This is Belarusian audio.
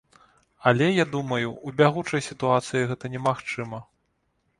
Але я думаю, у бягучай сітуацыі гэта немагчыма.